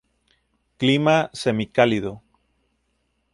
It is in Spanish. Clima semicálido.